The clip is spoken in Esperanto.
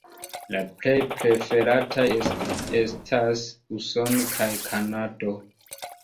La plej preferataj estas Usono kaj Kanado.